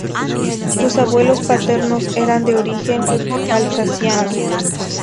Sus abuelos paternos eran de origen alsaciano.